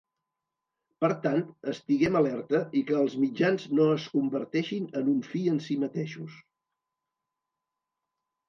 Per tant, estiguem alerta i que els mitjans no es converteixin en un fi en si mateixos.